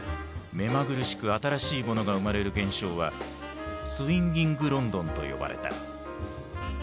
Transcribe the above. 目まぐるしく新しいものが生まれる現象はスウィンギング・ロンドンと呼ばれた。